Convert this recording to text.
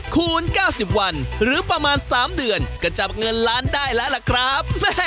คูณเก้าสิบวันหรือประมาณสามเดือนก็จับเงินล้านได้ล่ะครับ